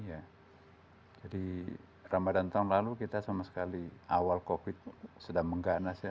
jadi ramadan tahun lalu kita sama sekali awal covid sudah mengganas ya